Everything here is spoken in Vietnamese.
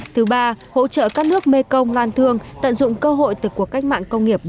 thứ ba hỗ trợ các nước mekong lan thương tận dụng cơ hội từ cuộc cách mạng công nghiệp bốn